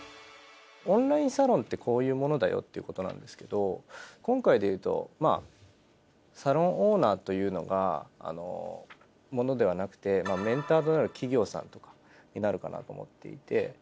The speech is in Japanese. オンラインサロンってこういうものだよってことなんですけど今回でいうとサロンオーナーというのがモノではなくてメンターとなる企業さんとかになるかなと思っていて。